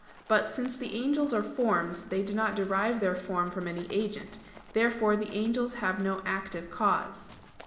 But since the angels are forms, they do not derive their form from any agent. Therefore the angels have no active cause.